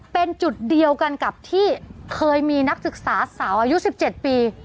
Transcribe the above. เป็นจุดเดียวกันกับที่เคยมีนักศึกษาสาวอายุ๑๗ปี